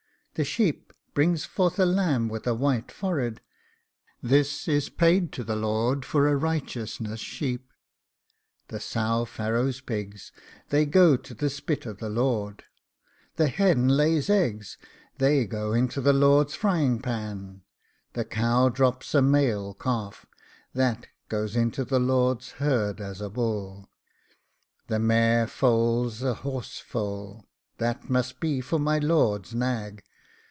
The sheep brings forth a lamb with a white forehead, This is paid to the lord for a RIGHTEOUSNESS SHEEP. The sow farrows pigs, They go to the spit of the lord. The hen lays eggs, They go into the lord's frying pan. The cow drops a male calf, That goes into the lord's herd as a bull. The mare foals a horse foal, That must be for my lord's nag.